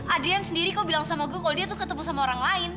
adrian sendiri kok bilang sama gue kalau dia tuh ketemu sama orang lain